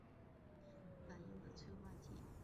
钯常用于烯烃或炔烃发生氢化反应的催化剂。